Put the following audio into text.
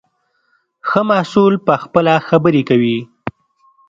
ښه محصول پخپله خبرې کوي.